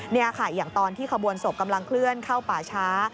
นี่ค่ะอย่างตอนที่ขบวนศพกำลังเคลื่อนเข้าป่าช้า